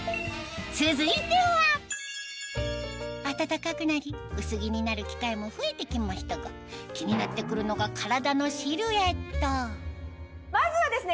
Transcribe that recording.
続いては暖かくなり薄着になる機会も増えてきましたが気になってくるのがまずはですね